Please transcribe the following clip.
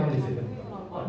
udah berapa kali